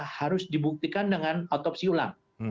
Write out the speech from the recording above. harus dibuktikan dengan otopsi ulang